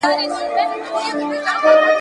د دې رشتې لپاره قواعد او اصول ټاکل کېږي.